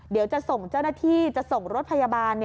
เดี๋ยวจะส่งเจ้าหน้าที่จะส่งรถพยาบาล